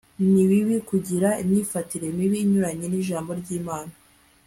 ni bibi kugira imyifatire mibi inyuranye n'ijambo ry'imana